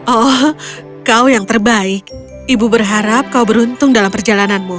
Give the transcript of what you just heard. oh kau yang terbaik ibu berharap kau beruntung dalam perjalananmu